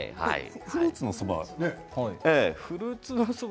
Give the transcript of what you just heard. フルーツのそば